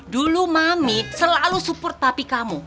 dulu mami selalu support pak pi kamu